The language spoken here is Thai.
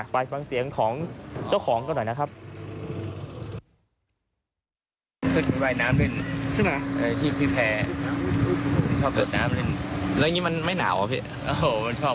ไปฟังเสียงของเจ้าของกันหน่อยนะครับ